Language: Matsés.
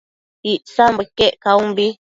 Icsambo iquec caunbi